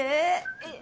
えっ？